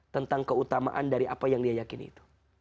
tentang keutamaan dari apa yang dia yakini itu